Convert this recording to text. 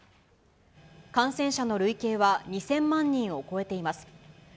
感染者の累計は２０００万人を超えています。